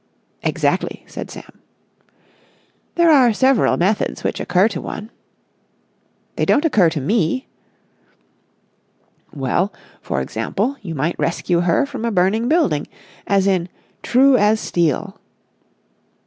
"Exactly," said Sam. "There are several methods which occur to one...." "They don't occur to me!" "Well, for example, you might rescue her from a burning building, as in 'True As Steel'...."